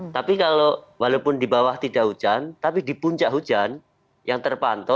tapi kalau walaupun di bawah tidak hujan tapi di puncak hujan yang terpantau